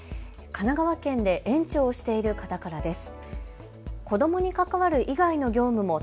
神奈川県で園長をしている方からです。